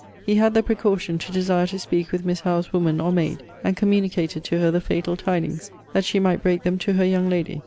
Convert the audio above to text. He had the precaution to desire to speak with Miss Howe's woman or maid, and communicated to her the fatal tidings, that she might break them to her young lady.